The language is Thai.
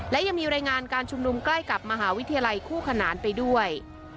และยังมีรายงานการชุมนุมใกล้กับมหาวิทยาลัยคู่ขนานไปด้วย